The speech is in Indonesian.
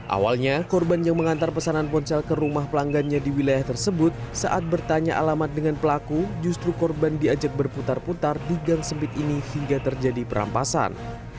awalnya korban yang mengantar pesanan ponsel ke rumah pelanggannya di wilayah tersebut saat bertanya alamat dengan pelaku justru korban diajak berputar putar di gang sempit ini hingga terjadi perampasan